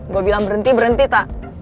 gue bilang berhenti berhenti tak